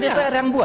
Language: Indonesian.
dekat dpr yang buat